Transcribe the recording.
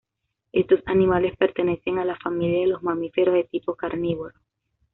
Estos animales pertenecen a la familia de los mamíferos de tipo carnívoro.